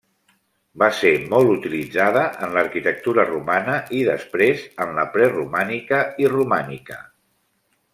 Va ser molt utilitzada en l'arquitectura romana i després en la preromànica i romànica.